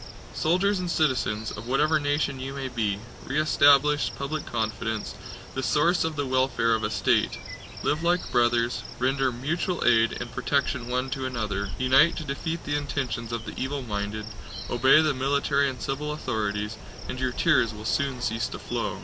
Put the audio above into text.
Soldiers and citizens, of whatever nation you may be, re establish public confidence, the source of the welfare of a state, live like brothers, render mutual aid and protection one to another, unite to defeat the intentions of the evil minded, obey the military and civil authorities, and your tears will soon cease to flow!